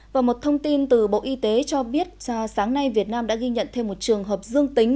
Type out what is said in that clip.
và một thông tin từ bộ y tế cho biết sáng nay việt nam đã ghi nhận thêm một trường hợp dương tính